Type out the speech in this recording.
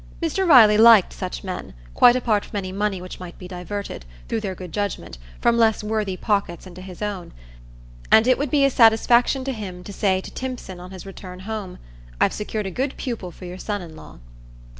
Mr Riley liked such men, quite apart from any money which might be diverted, through their good judgment, from less worthy pockets into his own; and it would be a satisfaction to him to say to Timpson on his return home, "I've secured a good pupil for your son in law."